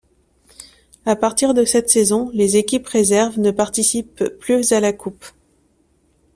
À partir de cette saison, les équipes réserves ne participent plus à la Coupe.